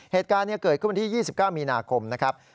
เหตุการณ์เกิดขึ้นวันที่๒๙มีนาคมนะครับ